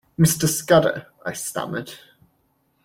“Mr Scudder...” I stammered.